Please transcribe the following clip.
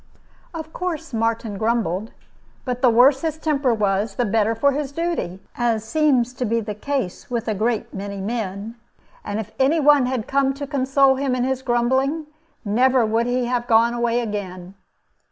Of course Martin grumbled; but the worse his temper was, the better for his duty, as seems to be the case with a great many men; and if any one had come to console him in his grumbling, never would he have gone away again.